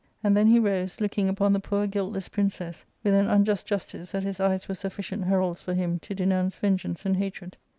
'* And then he rose, look ing upon the poor guiltless princess with an unjust justice that his eyes were sufficient heralds for him to denounce vengeance and hatred.